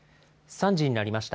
３時になりました。